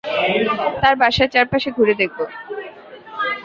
তার বাসার চারপাশে ঘুরে দেখবো।